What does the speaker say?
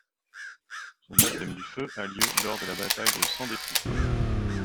Son baptême du feu a lieu lors de la bataille de Sandepu.